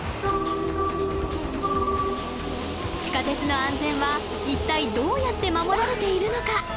地下鉄の安全は一体どうやって守られているのか？